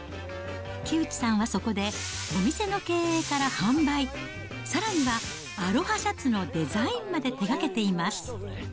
木内さんはそこで、お店の経営から販売、さらにはアロハシャツのデザインまで手がけています。